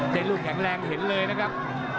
เป็นรุ่นแข็งแรงเห็นเลยนะครับ